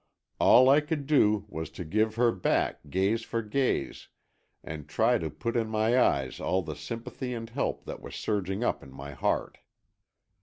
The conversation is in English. All I could do, was to give her back gaze for gaze and try to put in my eyes all the sympathy and help that were surging up in my heart.